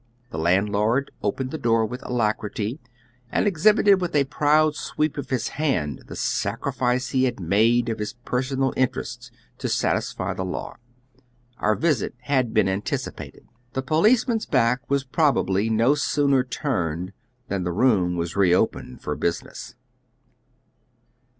The landlord opened tlie door with alacri ty, and exhibited w ith a proud sweep of his hand the sac nfice he had made of his personal interests to satisfy the law. Our visit had been anticipated. The policeman's back was probably no sooner turned than the room was re opened for business.